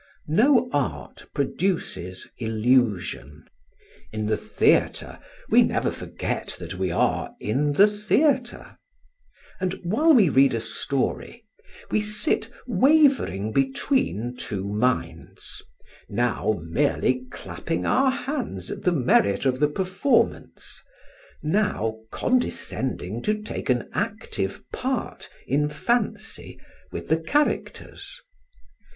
No art produces illusion; in the theatre we never forget that we are in the theatre; and while we read a story, we sit wavering between two minds, now merely clapping our hands at the merit of the performance, now condescending to take an active part in fancy with the characters.